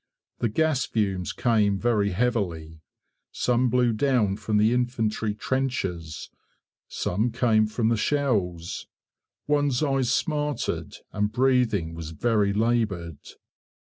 The gas fumes came very heavily: some blew down from the infantry trenches, some came from the shells: one's eyes smarted, and breathing was very laboured.